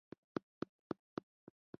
د یکشنبې په شپه